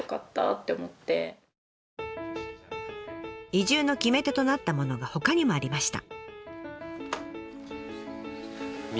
移住の決め手となったものがほかにもありました。